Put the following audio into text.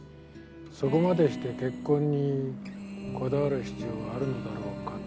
そこまでして結婚にこだわる必要があるのだろうかって。